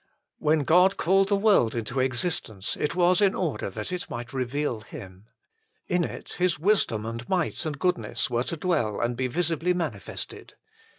When God called the world into existence it was in order that it might reveal Him. In it His wisdom and might and goodness were to dwell and be visibly manifested.